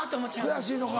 悔しいのか。